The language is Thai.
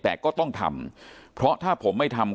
แต่ก็ต้องทำเพราะถ้าผมไม่ทำ